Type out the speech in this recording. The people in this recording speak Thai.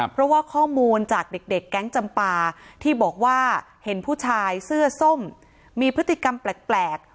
เพราะว่าข้อมูลจากเด็กแก๊งจำปาที่บอกว่าเห็นผู้ชายเสื้อส้มมีพฤติกรรมแปลก